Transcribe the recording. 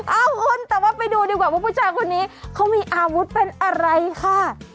เอ้าคุณแต่ว่าไปดูดีกว่าว่าผู้ชายคนนี้เขามีอาวุธเป็นอะไรค่ะ